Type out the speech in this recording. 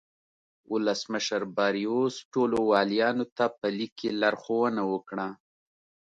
ولسمشر باریوس ټولو والیانو ته په لیک کې لارښوونه وکړه.